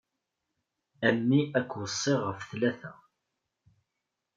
A mmi ad k-weṣṣiɣ ɣef tlata.